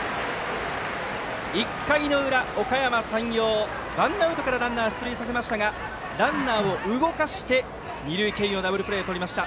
１回の裏、おかやま山陽ワンアウトからランナー出塁させましたがランナーを動かして二塁経由のダブルプレーとりました。